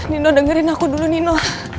nino dengerin aku dulu nino